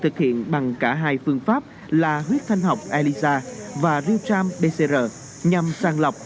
thực hiện bằng cả hai phương pháp là huyết thanh học elisa và riêu tram bcr nhằm sàng lọc